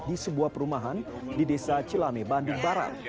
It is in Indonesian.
di sebuah perumahan di desa cilane bandit barat